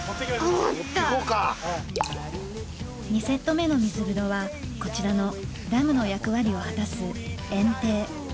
２セット目のみず風呂はこちらのダムの役割を果たすえん堤。